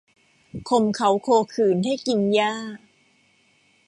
ข่มเขาโคขืนให้กินหญ้า